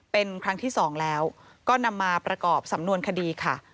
เป็นครั้งที่๒แล้วก็นำมาประกอบสำนวนคดีค่ะ